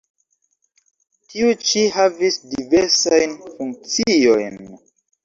Tiu ĉi havis diversajn funkciojn.